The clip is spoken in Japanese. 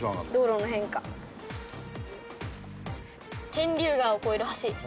天竜川を越える橋。